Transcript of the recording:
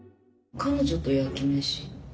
彼女の焼き飯？